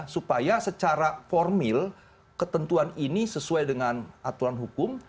supaya secara formil ketentuan ini sesuai dengan aturan hukum